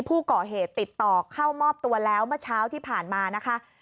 ผู้ก่อเหตุติดต่อเข้ามอบตัวแล้วเมื่อเช้าที่ผ่านมานะคะ